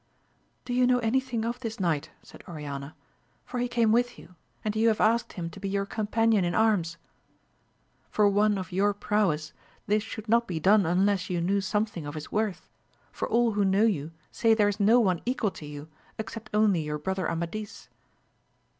Do you know any thing of this knight, said Oriana, for he came with you, and you have asked him to be your companion in arms ; for one of your prowess, this should not be done unless you knew something of his worth, for all who know you say there is no one equal to you, except only your brother Amadis.